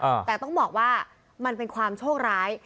แต่ต้องบอกว่ามันเป็นความโชคร้าย